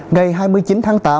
ngày hai mươi chín tháng tám